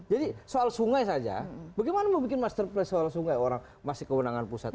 jadi soal sungai saja bagaimana mau bikin masterplan soal sungai orang masih kewenangan pusat